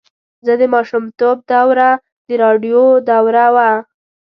زما د ماشومتوب دوره د راډیو دوره وه.